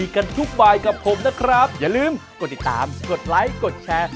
กันทุกบายกับผมนะครับอย่าลืมกดติดตามกดไลค์กดแชร์